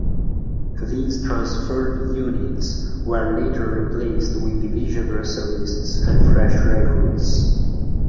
These transferred units were later replaced with division reservists and fresh recruits.